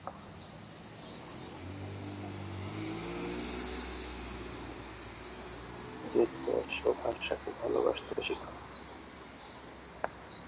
তিনি Asia Pacific centre for security studies এ অংশ নিয়েছিলেন এবং নটিক্যাল ইনস্টিটিউটের সদস্য ছিলেন।